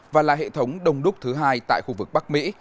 và là hệ thống đồng đúc thứ hai tại khu vực bắc mỹ